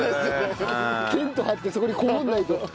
テント張ってそこにこもらないと。